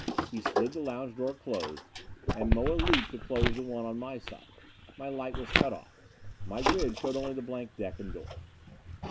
He slid the lounge door closed, and Moa leaped to close the one on my side. My light was cut off; my grid showed only the blank deck and door.